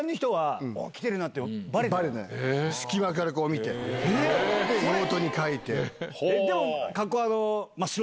隙間からこう見てノートに書いて。